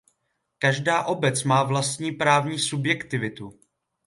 Každá obec má vlastní právní subjektivitu.